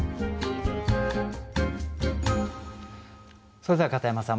それでは片山さん